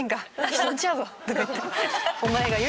人んちやぞとか言って。